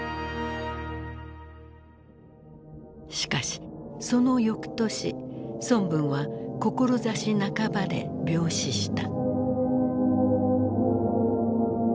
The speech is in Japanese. しかしその翌年孫文は志半ばで病死した。